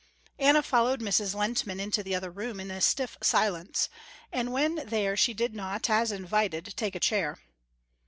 Anna followed Mrs. Lehntman into the other room in a stiff silence, and when there she did not, as invited, take a chair.